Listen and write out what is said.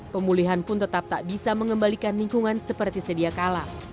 pemulihan pun tetap tak bisa mengembalikan lingkungan seperti sediakala